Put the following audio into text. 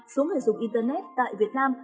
xuống hệ dụng internet tại việt nam